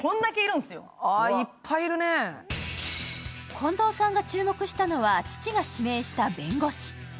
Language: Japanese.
近藤さんが注目したのは父が指名した弁護士。